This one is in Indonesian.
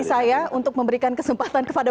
saya untuk memberikan kesempatan kepada